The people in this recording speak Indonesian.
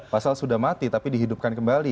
pasal sudah mati tapi dihidupkan kembali